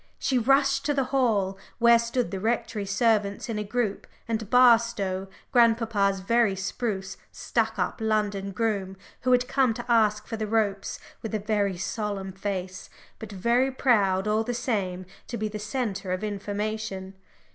She rushed to the hall, where stood the Rectory servants in a group, and Barstow, grandpapa's very spruce, stuck up London groom, who had come to ask for the ropes, with a very solemn face, but very proud, all the same, to be the centre of information.